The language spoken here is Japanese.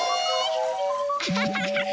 アハハハハ！